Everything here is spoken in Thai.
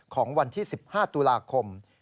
ของวันที่๑๕ตุลาคม